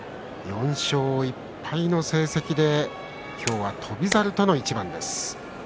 ４勝１敗の成績で今日は翔猿との一番です。